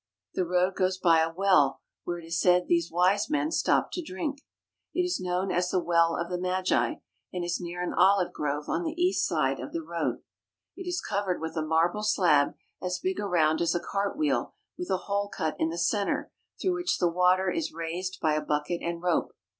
The road goes by a well where it is said these Wise Men stopped to drink. It is known as the "Well of the Magi," and is near an olive grove on the east side of the road. It is covered with a marble slab as big around as a cart wheel with a hole cut in the centre through which the water is raised by a bucket and rope.